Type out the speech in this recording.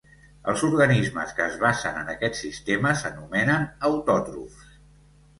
Els organismes que es basen en aquest sistema s'anomenen autòtrofs.